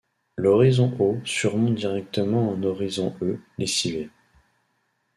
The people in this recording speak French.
L'horizon O surmonte directement un horizon E lessivé.